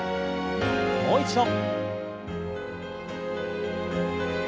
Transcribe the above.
もう一度。